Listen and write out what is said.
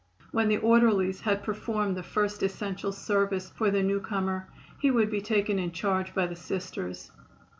When the orderlies had performed the first essential service for the newcomer he would be taken in charge by the Sisters.